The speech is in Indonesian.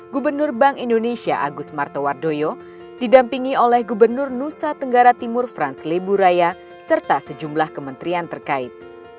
gubernur bank indonesia agus martowardoyo didampingi oleh gubernur nusa tenggara timur frans leburaya serta sejumlah kementerian terkait